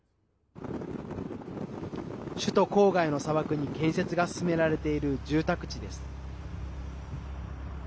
首都郊外の砂漠に建設が進められている住宅地です。